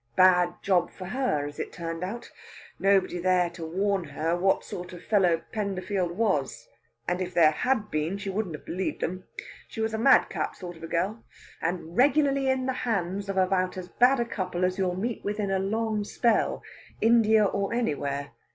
Bad job for her, as it turned out! Nobody there to warn her what sort of fellow Penderfield was and if there had been she wouldn't have believed 'em. She was a madcap sort of a girl, and regularly in the hands of about as bad a couple as you'll meet with in a long spell India or anywhere!